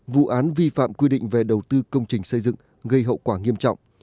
vụ án vi phạm quy định về đầu tư công trình xây dựng gây hậu quả nghiêm trọng